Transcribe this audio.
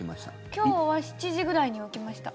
今日は７時ぐらいに起きました。